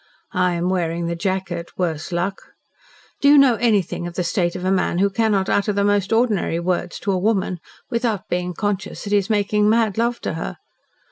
I am wearing the jacket worse luck! Do you know anything of the state of a man who cannot utter the most ordinary words to a woman without being conscious that he is making mad love to her?